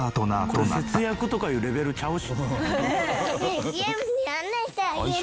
「これ節約とかいうレベルちゃうし」